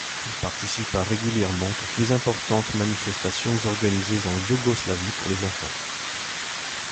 Il participa régulièrement aux plus importantes manifestations organisées en Yougoslavie pour les enfants.